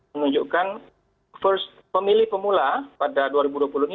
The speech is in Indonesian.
menunjukkan first pemilih pemula pada dua ribu dua puluh ini